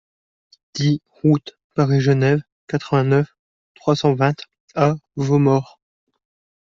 dix route Paris-Genève, quatre-vingt-neuf, trois cent vingt à Vaumort